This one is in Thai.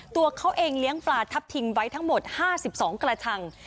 ตัวเขาเองเลี้ยงปลาทับทิงไว้ทั้งหมด๕๒กระชัง